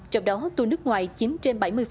trong đó thu nước ngoài chiếm trên